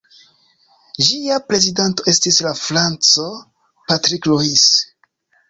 Ĝia prezidanto estis la franco Patrick Louis.